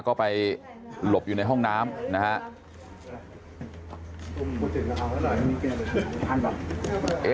ก็ไปหลบอยู่ในห้องน้ำนะฮะ